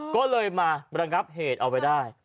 ก็เลยมาระงับเหตุเอาไว้ได้